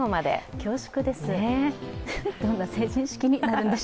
恐縮です。